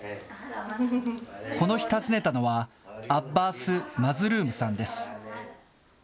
この日、訪ねたのは、アッバス・マズルームさんです。